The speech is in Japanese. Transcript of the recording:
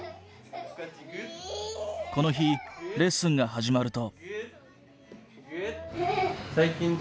この日レッスンが始まると。